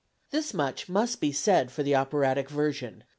This much must be said for the operatic version.